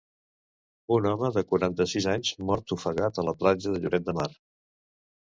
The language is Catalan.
Un home de quaranta-sis anys mort ofegat a la platja de Lloret de Mar.